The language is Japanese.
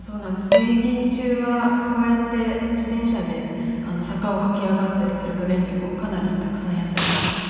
現役中はこうやって自転車で坂を駆け上がったりするトレーニングをかなりたくさんやっていました。